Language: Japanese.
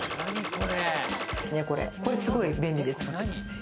これすごい便利です。